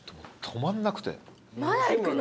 まだいくの？